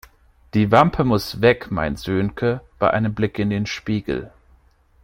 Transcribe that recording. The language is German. Die Wampe muss weg, meint Sönke bei einem Blick in den Spiegel.